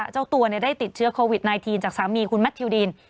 เจ้าตัวได้ติดเชื้อโควิด๑๙จากสามีคุณแมททิวดิน